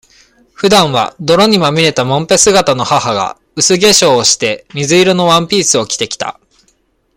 普段は、泥にまみれたもんぺ姿の母が、薄化粧して、水色のワンピースを着て来た。